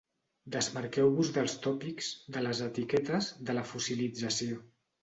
Desmarcau-vos dels tòpics, de les etiquetes, de la fossilització.